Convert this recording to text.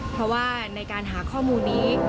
เพราะว่าในการหาข้อมูลนี้